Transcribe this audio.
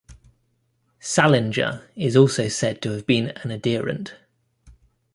Salinger is also said to have been an adherent.